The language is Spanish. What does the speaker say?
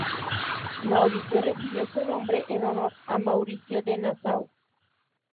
Mauricio recibió su nombre en honor de Mauricio de Nassau.